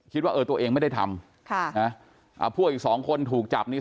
คิดว่าเออตัวเองไม่ได้ทำค่ะนะพวกอีกสองคนถูกจับนี่